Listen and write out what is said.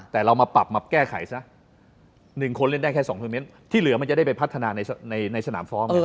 แต่เรามาปรับมาแก้ไขซะ๑คนเล่นได้แค่๒โทรเมนต์ที่เหลือมันจะได้ไปพัฒนาในสนามฟ้อง